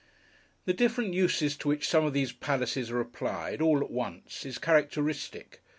The different uses to which some of these Palaces are applied, all at once, is characteristic.